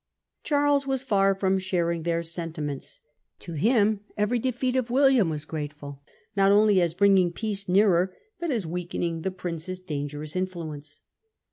Charles was far from sharing their sentiments. To him every defeat of William was grate ful, not only as bringing peace nearer, but as weakening the Prince's dangerous influence.